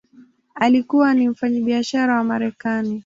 Alikuwa ni mfanyabiashara wa Marekani.